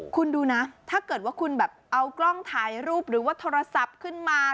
คุณดูนะถ้าเกิดว่าคุณแบบเอากล้องถ่ายรูปหรือว่าโทรศัพท์ขึ้นมา